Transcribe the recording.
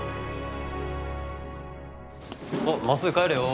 おっまっすぐ帰れよ。